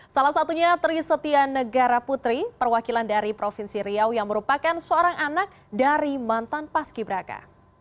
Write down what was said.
salah satunya trisetia negara putri perwakilan dari provinsi riau yang merupakan seorang anak dari mantan paski braka